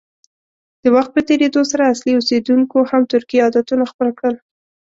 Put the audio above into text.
د وخت په تېرېدو سره اصلي اوسیدونکو هم ترکي عادتونه خپل کړل.